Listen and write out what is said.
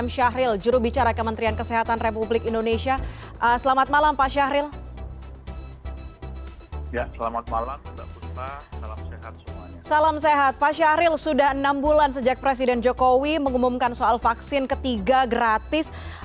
salam sehat pak syahril sudah enam bulan sejak presiden jokowi mengumumkan soal vaksin ketiga gratis